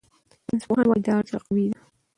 ساینسپوهان وايي دا اړیکه قوي ده.